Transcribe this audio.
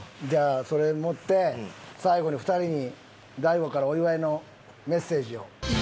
じゃあそれ持って最後に２人に大悟からお祝いのメッセージを。